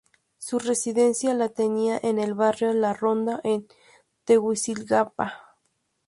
Su residencia la tenía en el Barrio La Ronda en Tegucigalpa.